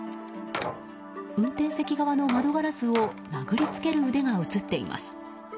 運転席側の窓ガラスを殴りつける腕が映っています。